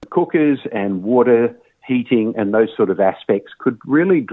kekuatan air penyelenggaraan dan aspek aspek tersebut